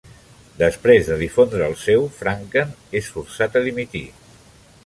Després de difondre el seu, Franken es forçat a dimitir.